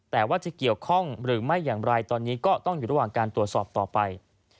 แต่ว่าจะเกี่ยวข้องหรือไม่อย่างไรตอนนี้ก็ต้องอยู่ระหว่างการตรวจสอบต่อไป